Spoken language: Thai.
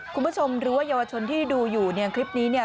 คุณผู้ชมหรือยาวชนที่ดูอยู่คลิปนี้